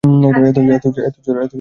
এত জোরে ছুঃ মন্তর করে!